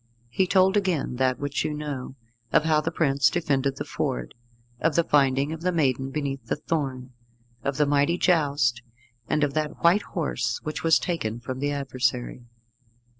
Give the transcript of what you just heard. He told again that which you know, of how the prince defended the Ford, of the finding of the maiden beneath the thorn, of the mighty joust, and of that white horse which was taken from the adversary.